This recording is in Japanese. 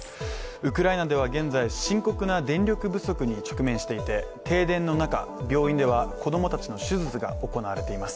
ウクライナでは現在、深刻な電力不足に直面していて停電の中、病院では子供たちの手術が行われています。